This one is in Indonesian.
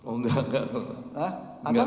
oh gak gak pernah